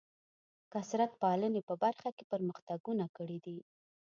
کثرت پالنې په برخه کې پرمختګونه کړي دي.